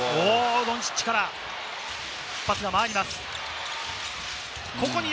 ドンチッチからパスが回ります。